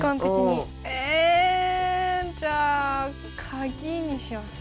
ええ。じゃあ鍵にします。